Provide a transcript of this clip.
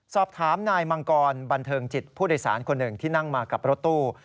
สอบถามนายมังกรบันเทิงจิตผู้โดยสารคนหนึ่งที่นั่งมากับรถตู้